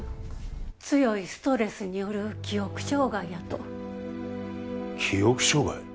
強いストレスによる記憶障害やと記憶障害？